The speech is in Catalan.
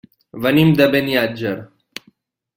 Venim de Beniatjar.